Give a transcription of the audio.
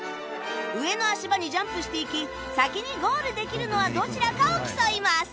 上の足場にジャンプしていき先にゴールできるのはどちらかを競います